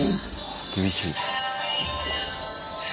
厳しい。